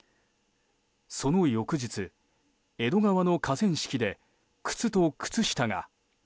その翌日江戸川の河川敷で靴と靴下が。